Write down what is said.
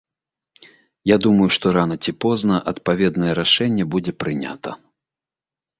Я думаю, што рана ці позна адпаведнае рашэнне будзе прынята.